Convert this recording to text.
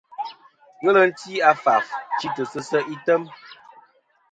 Ghelɨ ti a faf chitɨ sɨ se' item.